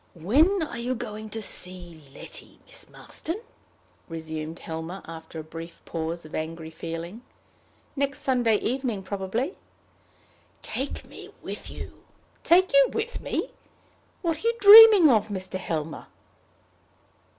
"When are you going to see Letty, Miss Marston?" resumed Helmer, after a brief pause of angry feeling. "Next Sunday evening probably." "Take me with you." "Take you with me! What are you dreaming of, Mr. Helmer?"